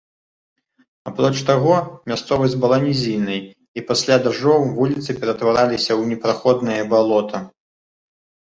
Апроч таго, мясцовасць была нізіннай, і пасля дажджоў вуліцы ператвараліся ў непраходнае балота.